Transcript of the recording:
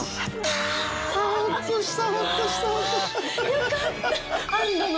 よかった！